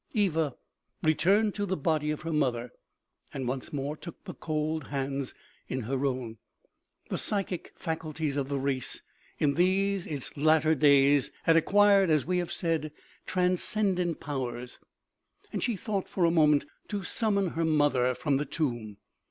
Eva returned to the body of her mother, and once more took the cold hands in her own. The psychic faculties of the race in these its latter days had ac quired, as we have said, transcendent powers, and she thought for a moment to summon her mother from the tomb.